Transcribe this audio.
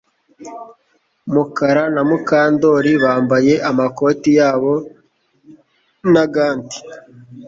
Mukara na Mukandoli bambaye amakoti yabo na gants